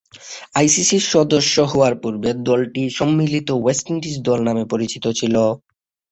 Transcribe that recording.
আইসিসি’র সদস্য হবার পূর্বে দলটি সম্মিলিত ওয়েস্ট ইন্ডিজ দল নামে পরিচিত ছিল।